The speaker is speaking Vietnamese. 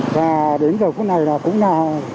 và đến giờ phút này là cũng là